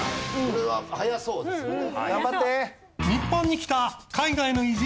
これは早そうですよね。